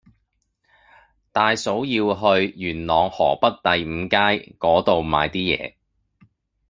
大嫂要去元朗河北第五街嗰度買啲嘢